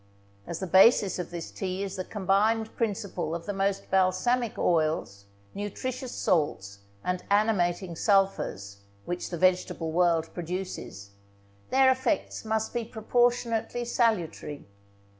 As the basis of this tea is the combined principle of the most balsamic oils, nutritious salts, and animating sulphurs, which the vegetable world produces, their effects must be proportionably salutary.